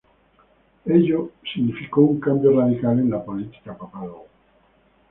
Ello significó un cambio radical en la política papal.